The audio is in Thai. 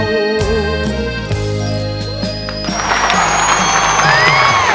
อะไรเนี่ย